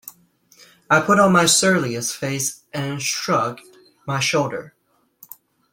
I put on my surliest face and shrugged my shoulders.